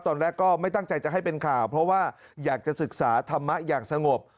ตอนแรกก็ไม่ตั้งใจจะให้เป็นข่าวเพราะว่าอยากจะศึกษาธรรมะอย่างสงบ